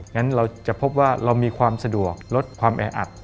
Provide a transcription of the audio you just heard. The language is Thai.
งั้นเราจะพบว่าเรามีความสะดวกลดความแออัด